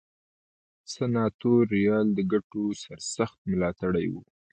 سناتوریال د ګټو سرسخت ملاتړي وو.